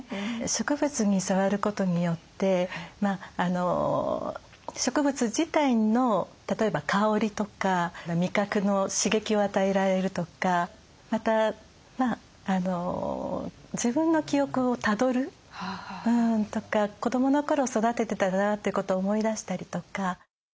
植物に触ることによって植物自体の例えば香りとか味覚の刺激を与えられるとかまた自分の記憶をたどるとか子どもの頃育ててたなってことを思い出したりとか。